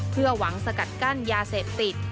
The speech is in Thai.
เพื่อหวังสกัดกั้นยาเสพติด